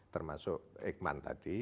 termasuk eggman tadi